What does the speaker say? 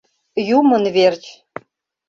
Юмын верч!